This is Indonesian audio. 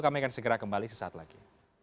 kami akan segera kembali sesaat lagi